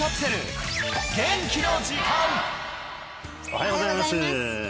おはようございます